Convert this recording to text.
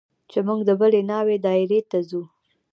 چې موږ د بلې ناوې دايرې ته ځو.